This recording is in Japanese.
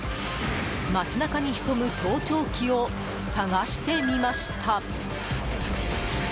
街中に潜む盗聴器を探してみました。